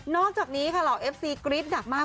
นอกจากนี้ค่ะแล้วเอฟซีกริสต์หนักมาก